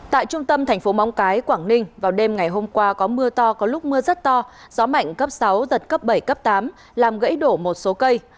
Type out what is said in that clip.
tại trung tâm thành phố móng cái quảng ninh vào đêm ngày hôm qua có mưa to có lúc mưa rất to gió mạnh cấp sáu giật cấp bảy cấp tám làm gãy đổ một số cây